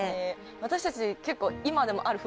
私たち結構。